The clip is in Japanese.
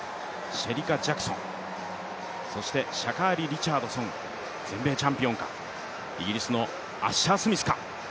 シェリカ・ジャクソン、そしてシャカリ・リチャードソン、全米チャンピオンか、イギリスのアッシャースミスか。